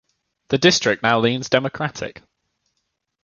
The district now leans Democratic.